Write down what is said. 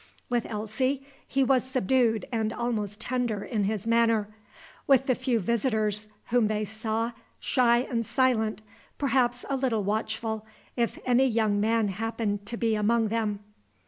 With Elsie, he was subdued and almost tender in his manner; with the few visitors whom they saw, shy and silent, perhaps a little watchful, if any young man happened to be among them.